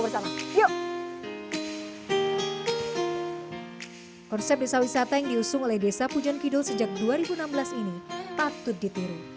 bersama yuk konsep desa wisata yang diusung oleh desa pujon kidul sejak dua ribu enam belas ini patut ditiru